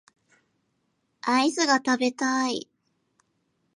アイスが食べたい